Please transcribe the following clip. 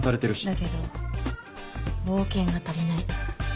だけど冒険が足りない。